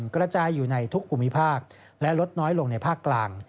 กระจายอยู่ในทุกภูมิภาคและลดน้อยลงในภาคกลาง